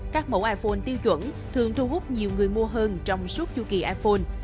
các mẫu iphone tiêu chuẩn thường thu hút nhiều người mua hơn trong suốt chu kỳ iphone